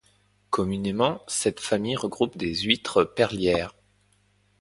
Communément, cette famille regroupe des huitres perlières.